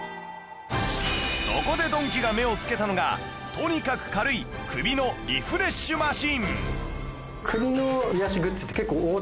そこでドンキが目をつけたのがとにかく軽い首のリフレッシュマシン